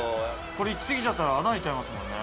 これ行き過ぎちゃったら穴開いちゃいますもんね。